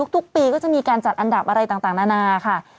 ทุกปีก็จะมีการจัดอันดับอะไรต่างนานาค่ะ